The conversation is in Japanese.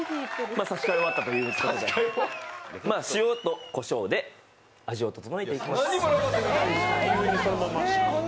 差し替え終わったということで塩とこしょうで味を調えていきます。